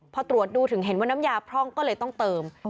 พอตรวจดูถึงเห็นว่าน้ำยาพร่องก็เลยต้องเติม